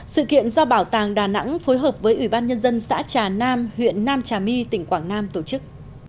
sự kiện do bảo tàng đà nẵng phối hợp với ủy ban nhân dân xã trà nam huyện nam trà my tỉnh quảng nam tổ chức